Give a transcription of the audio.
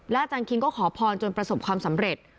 อาจารย์คิงก็ขอพรจนประสบความสำเร็จ